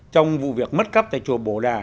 trong vụ việc mất cắp tại chùa bồ đà